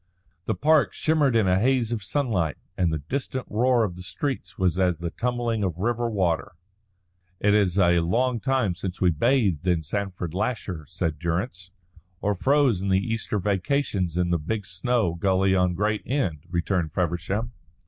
The park shimmered in a haze of sunlight, and the distant roar of the streets was as the tumbling of river water. "It is a long time since we bathed in Sandford Lasher," said Durrance. "Or froze in the Easter vacations in the big snow gully on Great End," returned Feversham.